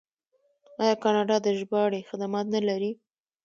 آیا کاناډا د ژباړې خدمات نلري؟